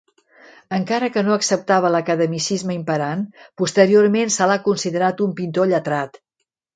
Encara que no acceptava l'academicisme imperant, posteriorment se l'ha considerat un pintor lletrat.